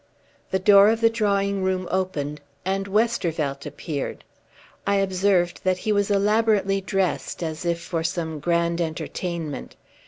The door of the drawing room opened, and Westervelt appeared. I observed that he was elaborately dressed, as if for some grand entertainment.